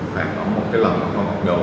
phải có một cái lần có một cái đầu